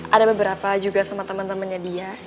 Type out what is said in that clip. ada beberapa juga sama temen temennya dia